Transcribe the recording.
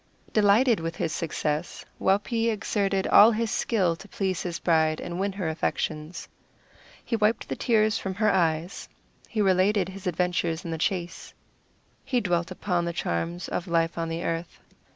Delighted with his success, Waupee exerted all his skill to please his bride and win her affections. He wiped the tears from her eyes; he related his adventures in the chase; he dwelt upon the charms of life on the earth.